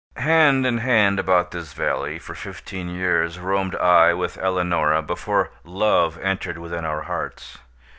Hand in hand about this valley, for fifteen years, roamed I with Eleonora before Love entered within our hearts.